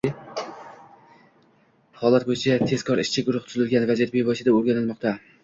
Holat bo‘yicha tezkor ishchi guruh tuzilgan, vaziyat bevosita o‘rganilmoqda